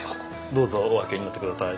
どうぞお開けになってください。